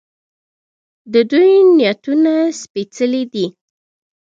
د دوی نیتونه سپیڅلي دي.